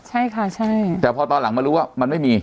ใช่ค่ะใช่แต่พอตอนหลังมารู้ว่ามันไม่มี